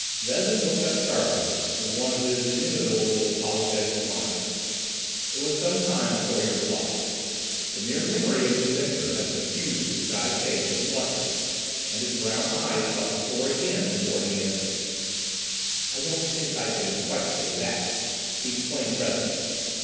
Vezin looked up sharply with one of his inimitable little apologetic smiles. It was some time before he replied. The mere memory of the adventure had suffused his shy face with blushes, and his brown eyes sought the floor again before he answered. "I don't think I can quite say that," he explained presently.